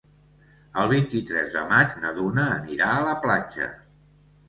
El vint-i-tres de maig na Duna anirà a la platja.